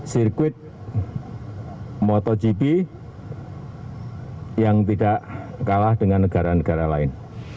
sirkuit motogp yang tidak kalah dengan negara negara lain